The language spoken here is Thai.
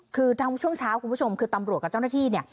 คือทั้งช่วงเช้าคุณผู้ชมคือตำรวจกับเจ้าหน้าที่เนี่ย